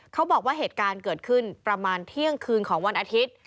เขาบอกว่าเหตุการณ์เกิดขึ้นประมาณเที่ยงคืนของวันอาทิตย์